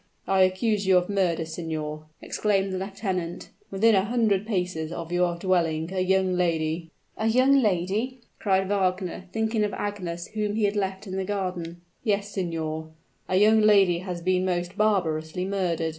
"I accuse you of murder, signor," exclaimed the lieutenant. "Within a hundred paces of your dwelling a young lady " "A young lady!" cried Wagner, thinking of Agnes, whom he had left in the garden. "Yes, signor, a young lady has been most barbarously murdered!"